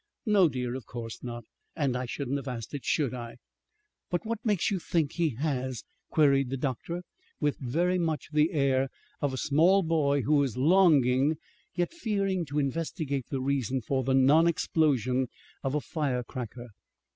"No, dear, of course not. And I shouldn't have asked it, should I?" "But what makes you think he has?" queried the doctor, with very much the air of a small boy who is longing yet fearing to investigate the reason for the non explosion of a firecracker.